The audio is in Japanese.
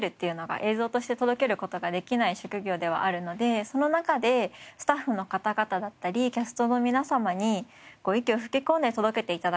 映像として届ける事ができない職業ではあるのでその中でスタッフの方々だったりキャストの皆様に息を吹き込んで届けて頂く。